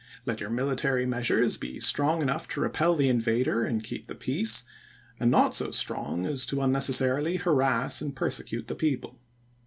Let your military measures be strong enough to repel the invader and keep the peace, and not so strong as to unnecessarily harass and persecute the people.